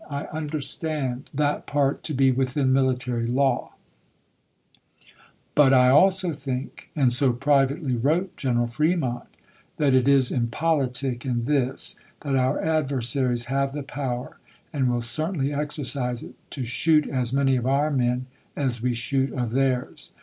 I understand that part to be within military ch. xxiv. law, but I also think, and so privately wrote General Fremont, that it is impolitic in this, that our adversaries have the power, and will certainly exercise it, to shoot as many of our men as we shoot of theirs.